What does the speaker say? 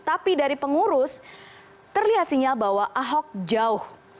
tapi dari pengurus terlihat sinyal bahwa ahok jauh